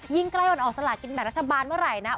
ยิ่งใกล้ออนอสละกินแบบรัฐบาลเมื่อไรนะ